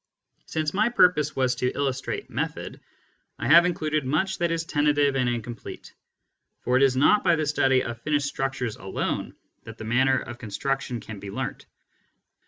Since my purpose was to illustrate method, I have included much that is tentative and incomplete, for it is not by the study of finished structures alone that the manner of construction can be learnt.